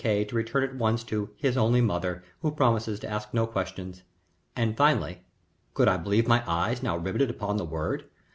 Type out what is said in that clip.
K. to return at once to "His Only Mother," who promises to ask no questions; and finally could I believe my eyes now riveted upon the word?